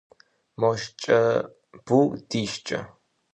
Мо шкӏэ бур ди шкӏэ?